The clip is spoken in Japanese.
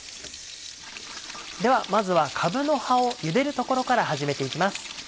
ではまずはかぶの葉をゆでるところから始めていきます。